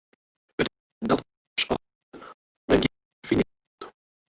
It is better dat men ris ôfwiisd wurdt as dat men gjin ûnderfining opdocht.